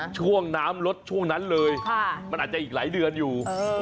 ช่วงน้ำลดช่วงนั้นเลยมันอาจจะอีกหลายเดือนอยู่